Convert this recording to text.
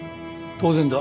当然だ。